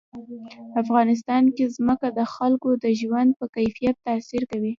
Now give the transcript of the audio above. افغانستان کې ځمکه د خلکو د ژوند په کیفیت تاثیر کوي.